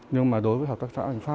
nhưng mà đối với hợp tác xã